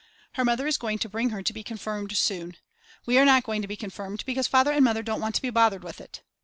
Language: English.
Her mother is going to bring her to be confirmed soon. We are not going to be confirmed because Father and Mother don't want to be bothered with it.